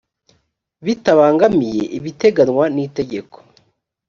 bitabangamiye ibiteganywa n itegeko